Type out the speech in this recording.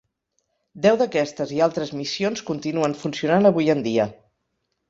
Deu d'aquestes i altres missions continuen funcionant avui en dia.